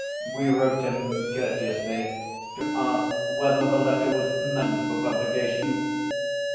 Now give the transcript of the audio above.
We wrote him courtously to ask whether the letter was meant for publication.